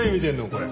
これ。